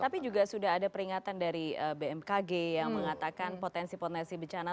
tapi juga sudah ada peringatan dari bmkg yang mengatakan potensi potensi bencana